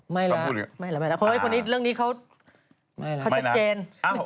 ไม่ล่ะคนที่รู้เรื่องนี้เขาชัดเจน